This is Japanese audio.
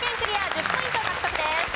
１０ポイント獲得です。